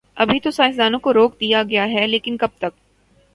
ابھی تو سائنس دانوں کو روک دیا گیا ہے، لیکن کب تک؟